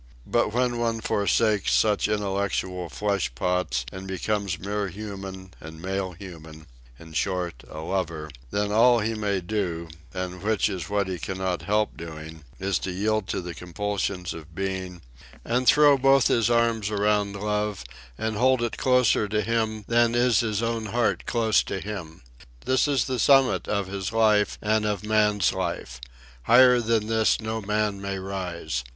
But when one forsakes such intellectual flesh pots and becomes mere human and male human, in short, a lover, then all he may do, and which is what he cannot help doing, is to yield to the compulsions of being and throw both his arms around love and hold it closer to him than is his own heart close to him. This is the summit of his life, and of man's life. Higher than this no man may rise.